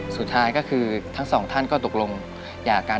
สุดท้ายก็คือทั้งสองท่านก็ตกลงหย่ากัน